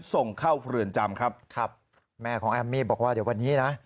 ส่งเข้าเรือนจำครับครับแม่ของแอมมี่บอกว่าเดี๋ยววันนี้นะ